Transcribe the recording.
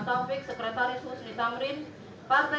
taufik sekretaris husni tamrin partai